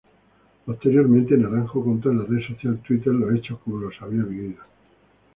Posteriormente Naranjo contó en la red social Twitter los hechos como los había vivido.